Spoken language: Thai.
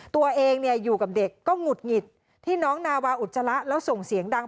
ตัวเองอยู่กับเด็กก็หงุดหงิดที่น้องนาวาอุจจาระแล้วส่งเสียงดัง